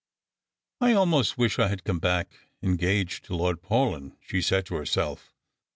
" I almost wish I had come back engaged to Lord Paulyn," she said to herself.